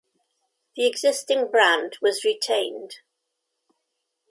The existing brand was retained.